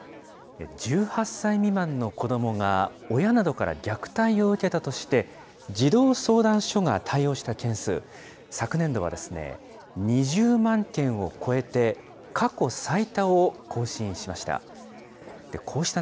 １８歳未満の子どもが親などから虐待を受けたとして、児童相談所が対応した件数、昨年度は２０万件を超えて過去最多を更新しました。